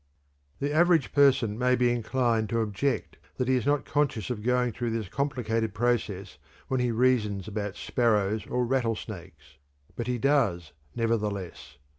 The average person may be inclined to object that he is not conscious of going through this complicated process when he reasons about sparrows or rattlesnakes. But he does, nevertheless.